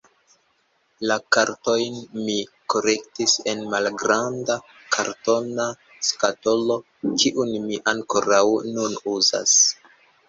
La kartojn mi kolektis en malgranda kartona skatolo, kiun mi ankoraŭ nun uzas.